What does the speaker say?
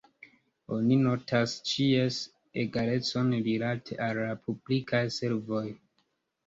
Oni notas ĉies egalecon rilate al la publikaj servoj.